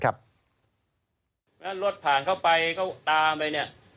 รถผ่านเข้าไปเขาตามไป